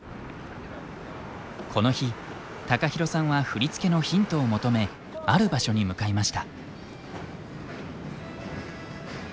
この日ＴＡＫＡＨＩＲＯさんは振り付けのヒントを求めある場所に向かいました。